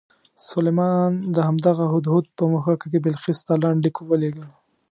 سلیمان د همدغه هدهد په مښوکه کې بلقیس ته لنډ لیک ولېږه.